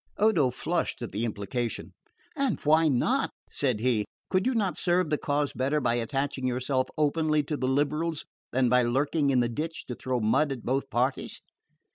Odo flushed at the implication. "And why not?" said he. "Could you not serve the cause better by attaching yourself openly to the liberals than by lurking in the ditch to throw mud at both parties?"